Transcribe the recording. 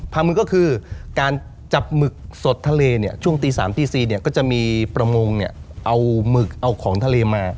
มือก็คือการจับหมึกสดทะเลเนี่ยช่วงตี๓ตี๔เนี่ยก็จะมีประมงเอาหมึกเอาของทะเลมา